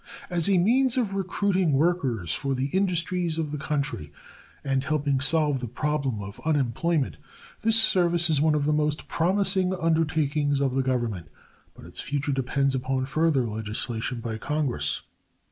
As a means of recruiting workers for the industries of the country and helping solve the problem of unemployment, this service is one of the most promising undertakings of the Government, but its future depends upon further legislation by Congress.